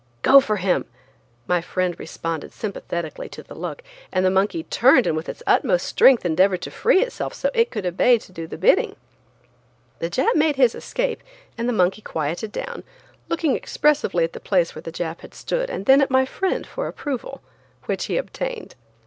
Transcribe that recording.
"Go for him," my friend responded, sympathetically, to the look, and the monkey turned and with its utmost strength endeavored to free itself so it could obey the bidding. The Jap made his escape and the monkey quieted down, looking expressively at the place where the Jap had stood and then at my friend for approval, which he obtained.